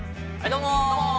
どうも。